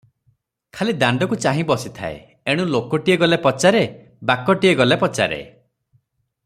ଖାଲି ଦାଣ୍ତକୁ ଚାହିଁ ବସିଥାଏ, ଏଣୁ ଲୋକଟିଏ ଗଲେ ପଚାରେ, ବାକଟିଏ ଗଲେ ପଚାରେ ।"